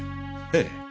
ええ。